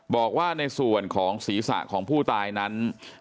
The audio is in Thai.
บอกว่าในส่วนของศีรษะของผู้ตายนั้น